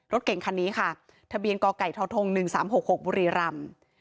รถเก่งคันนี้ค่ะทะเบียนกไก่ทท๑๓๖๖บุรีรำ